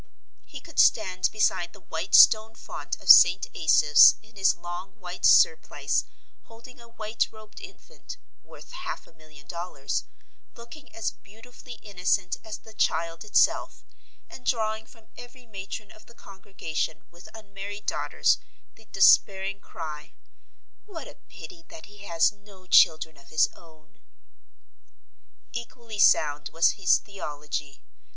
He could stand beside the white stone font of St. Asaph's in his long white surplice holding a white robed infant, worth half a million dollars, looking as beautifully innocent as the child itself, and drawing from every matron of the congregation with unmarried daughters the despairing cry, "What a pity that he has no children of his own!" Equally sound was his theology.